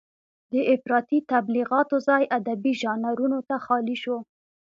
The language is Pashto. د افراطي تبليغاتو ځای ادبي ژانرونو ته خالي شو.